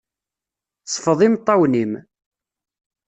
Sfeḍ imeṭṭawen-im.